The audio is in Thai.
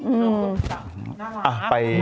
อื้อน่ารัก